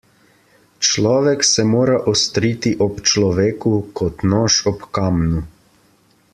Človek se mora ostriti ob človeku kot nož ob kamnu.